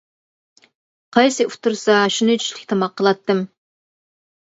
قايسى ئۇتتۇرسا شۇنى چۈشلۈك تاماق قىلاتتىم!